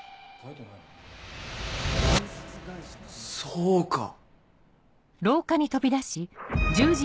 そうか。